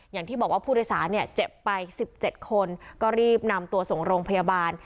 อย่างที่บอกว่าผู้โดยสารเนี่ยเจ็บไป๑๗คนก็รีบนำตัวส่งโรงพยาบาล